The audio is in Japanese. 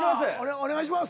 お願いします。